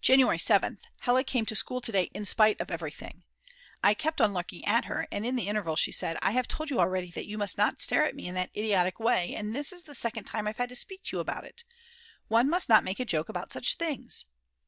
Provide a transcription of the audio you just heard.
January 7th. Hella came to school to day in spite of everything. I kept on looking at her, and in the interval she said: "I have told you already that you must not stare at me in that idiotic way, and this is the second time I've had to speak to you about it. One must not make a joke about such things."